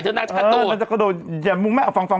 เดี๋ยวนางกระโดดเออนางจะกระโดดอย่ามุงแม่ฟังฟังฟังฟัง